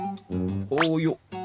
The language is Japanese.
およっ。